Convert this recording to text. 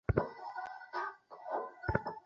Day, doctor স্বামীজীর ভক্ত ডা এলেন ডে।